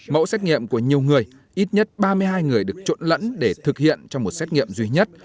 mẫu xét nghiệm của nhiều người ít nhất ba mươi hai người được trộn lẫn để thực hiện trong một xét nghiệm duy nhất